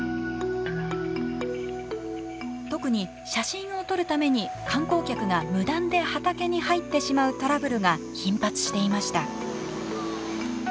特に写真を撮るために観光客が無断で畑に入ってしまうトラブルが頻発していました。